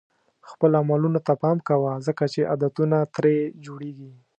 خپلو عملونو ته پام کوه ځکه چې عادتونه ترې جوړېږي.